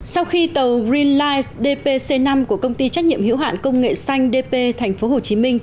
sau khi tàu greenlight dpc năm của công ty trách nhiệm hiểu hạn công nghệ xanh dp tp hcm